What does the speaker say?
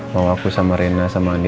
bawa aku sama rena sama andi